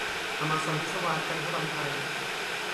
อะมาซ็อนพิศวาส - จันทรำไพ